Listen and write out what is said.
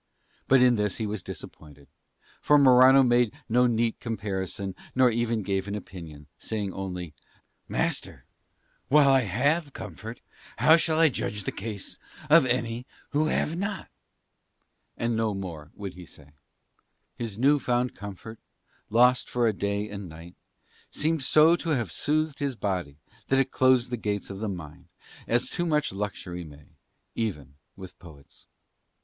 But in this he was disappointed; for Morano made no neat comparison nor even gave an opinion, saying only, "Master, while I have comfort how shall I judge the case of any who have not?" And no more would he say. His new found comfort, lost for a day and night, seemed so to have soothed his body that it closed the gates of the mind, as too much luxury may, even with poets.